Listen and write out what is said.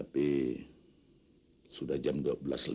apakah sudah cara bert laid behind